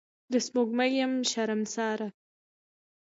د سپوږمۍ یم شرمساره